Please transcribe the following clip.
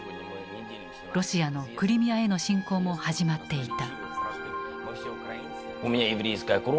ロシアのクリミアへの侵攻も始まっていた。